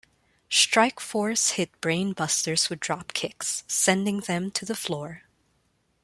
Strike Force hit Brain Busters with dropkicks, sending them to the floor.